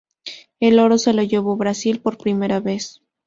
El oro se lo llevó Brasil por primera vez.